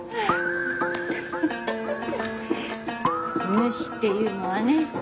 ヌシっていうのはね